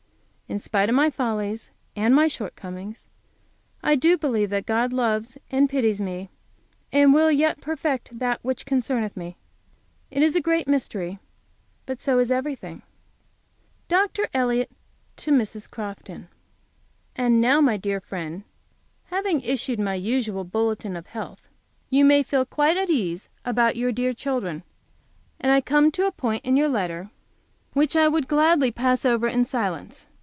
In spite of my follies and my shortcomings, I do believe that God loves and pities me, and will yet perfect that which concerneth me. It is a great mystery. But so is everything. Dr. Elliott to Mrs. Crofton: And now, my dear friend, having issued my usual bulletin of health, you may feel quite at ease about your dear children, and I come to a point in your letter which I would gladly pass over in silence.